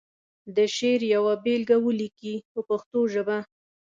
د شعر یوه بېلګه ولیکي په پښتو ژبه.